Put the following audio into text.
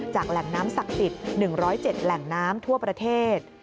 แหล่งน้ำศักดิ์สิทธิ์๑๐๗แหล่งน้ำทั่วประเทศ